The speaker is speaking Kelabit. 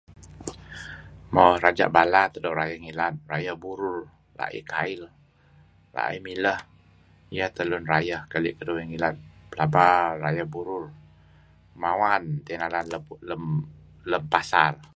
Mo, Raja Bala teh doo' rayeh ngilad. Rayeh burur, la'ih kail. La'ih mileh, iyeh tehlun rayeh keli' keduih ngilad. Pelaba rayeh burur, mawan tiyeh nalan lem pasar.